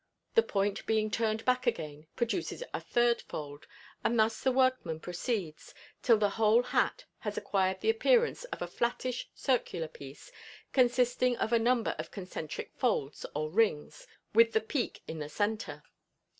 The point being turned back again, produces a third fold, and thus the workman proceeds, till the whole hat has acquired the appearance of a flattish circular piece, consisting of a number of concentric folds or rings, with the peak in the centre.